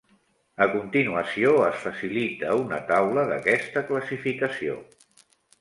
A continuació es facilita una taula d'aquesta classificació.